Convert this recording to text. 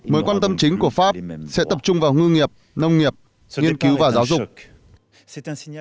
mối quan tâm chính của pháp sẽ tập trung vào ngư nghiệp nông nghiệp nghiên cứu và giáo dục